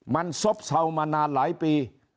มันซบเศร้ามานานหลายปี